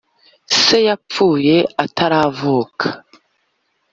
Se yapfuye ataravuka